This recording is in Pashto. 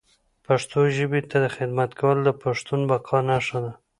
پښتو ژبي ته خدمت کول د پښتون بقا نښه ده